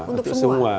itu untuk semua